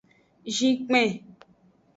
Zinkpen.